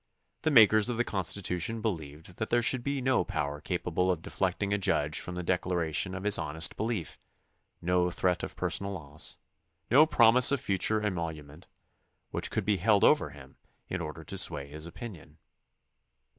The makers of the Constitu tion believed that there should be no power capable of deflecting a judge from the declaration of his honest belief, no threat of personal loss, no promise of future emolument, which could be held over him in order to sway his opinion.